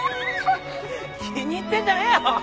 気に入ってんじゃねえよおい。